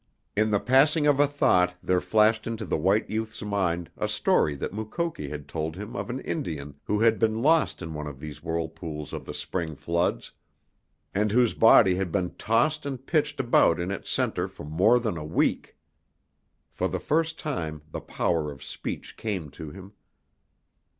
In the passing of a thought there flashed into the white youth's mind a story that Mukoki had told him of an Indian who had been lost in one of these whirlpools of the spring floods, and whose body had been tossed and pitched about in its center for more than a week. For the first time the power of speech came to him.